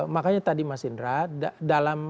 makanya tadi mas indra dalam